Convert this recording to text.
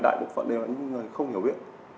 đại bộ phận đều là những người không hiểu biết